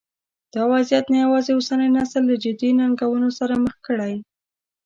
دا وضعیت نه یوازې اوسنی نسل له جدي ننګونو سره مخ کړی.